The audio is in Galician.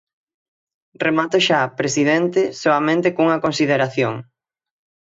Remato xa, presidente, soamente cunha consideración.